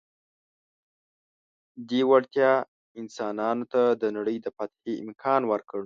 دې وړتیا انسانانو ته د نړۍ د فتحې امکان ورکړ.